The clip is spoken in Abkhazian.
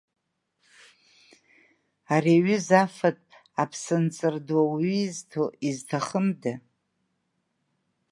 Ари аҩыза афатә, аԥсынҵр ду уаҩы изҭо, изҭахымда!